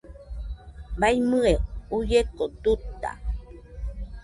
Baiñɨe uieko duta